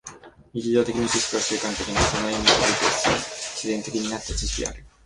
日常的な知識は習慣的な、その意味において自然的になった知識である。